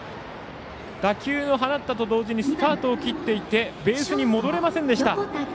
打球を放ったと同時にスタートを切っていてベースに戻れませんでした。